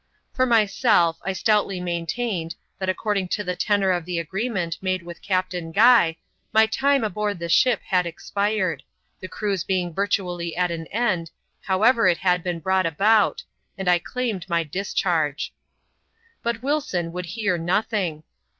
For myself, I stoutly maintained, that according to the tenor of the agreement made with Captain Guy, my time aboard the ship had expired — the cruise being virtuaMy at an end, however it had been brought about — and I daimed my discharge. But Wilson would hear nothing.